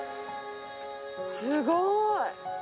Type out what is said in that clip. すごい。